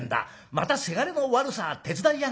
『またせがれの悪さ手伝いやがって』